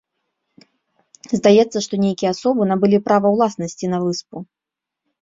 Здаецца, што нейкія асобы набылі права ўласнасці на выспу.